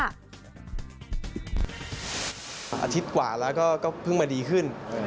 อาทิตย์กว่าแล้วก็เพิ่งมาดีขึ้น